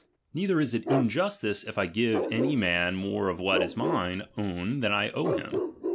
Neither is it injustice, if I give any man more of what is mine own than I owe him.